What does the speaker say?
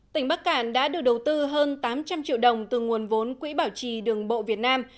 tỉnh bắc cạn đã được đầu tư hơn tám trăm linh triệu đồng từ nguồn vốn quỹ bảo trì đường bộ việt nam